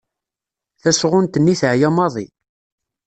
Tasɣunt-nni teɛya maḍi.